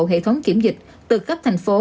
hệ thống kiểm dịch từ cấp thành phố